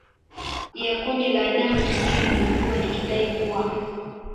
ya kundi la Adam Nasibu lililokuwa likidai kuwa